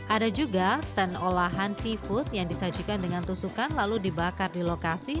ada juga stand olahan seafood yang disajikan dengan tusukan lalu dibakar di lokasi